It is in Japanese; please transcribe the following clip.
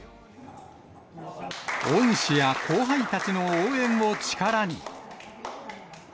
恩師や後輩たちの応援を力に。